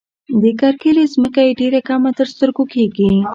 د کرکيلې ځمکه یې ډېره کمه تر سترګو کيږي.